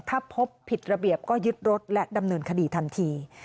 ถ้าพบผิดระเบียบก็ยึดรถและดำเนินคดีทันที